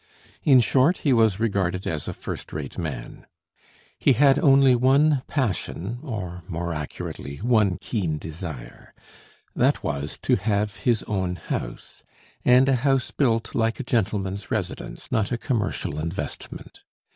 In short, he was regarded as a first rate man. He had only one passion, or more accurately, one keen desire: that was, to have his own house, and a house built like a gentleman's residence, not a commercial investment.